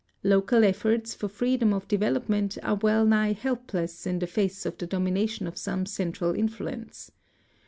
Local efforts for freedom of development are well nigh helpless in the face of the domination of some central influence.